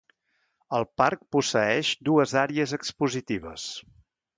El parc posseeix dues àrees expositives: